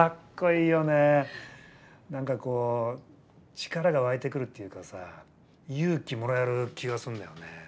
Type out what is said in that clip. なんかこう力が湧いてくるっていうかさ勇気もらえる気がすんだよね。